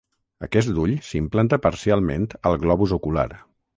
Aquest ull s'implanta parcialment al globus ocular.